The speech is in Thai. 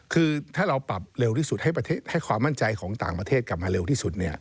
คือถ้าเราปรับเร็วที่สุดให้ความมั่นใจของต่างประเทศกลับมาเร็วที่สุด